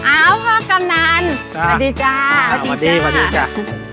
อ้าวพ่อกำนานสวัสดีจ้าสวัสดีสวัสดีจ้า